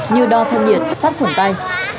như đo thân nhiệt sát khủng tay